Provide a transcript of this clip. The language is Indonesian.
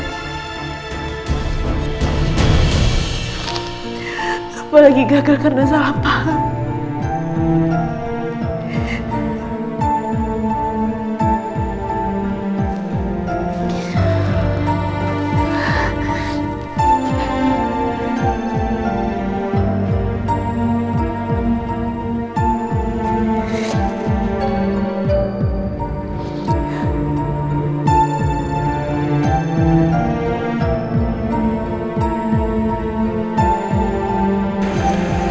apalagi gagal karena salah paham